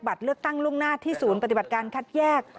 เลือกตั้งล่วงหน้าที่ศูนย์ปฏิบัติการคัดแยก